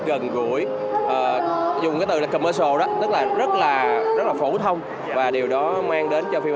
gần gũi dùng cái từ là commercial đó tức là rất là rất là phổ thông và điều đó mang đến cho phim